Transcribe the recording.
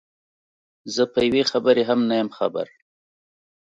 زه په یوې خبرې هم نه یم خبر.